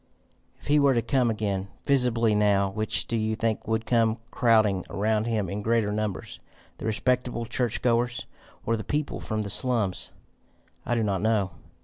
"If he were to come again, visibly, now, which do you think would come crowding around him in greater numbers the respectable church goers, or the people from the slums? I do not know.